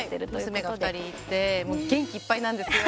はい、娘が２人いてもう元気いっぱいなんですよ。